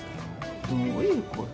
どういうこと？